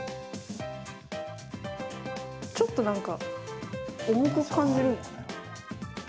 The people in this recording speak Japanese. ちょっとなんか重く感じる。